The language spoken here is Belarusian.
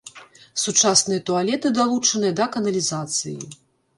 Сучасныя туалеты далучаныя да каналізацыі.